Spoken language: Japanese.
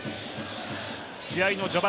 試合の序盤